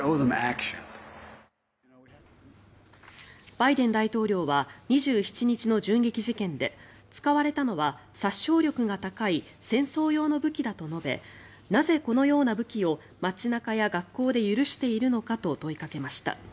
バイデン大統領は２７日の銃撃事件で使われたのは、殺傷力が高い戦争用の武器だと述べなぜ、このような武器を街中や学校で許しているのかと問いかけました。